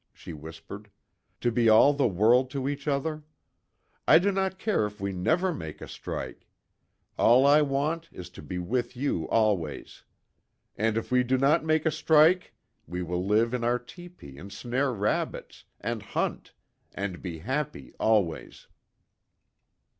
she whispered, "To be all the world to each other? I do not care if we never make a strike. All I want is to be with you always. And if we do not make a strike we will live in our tepee and snare rabbits, and hunt, and be happy, always."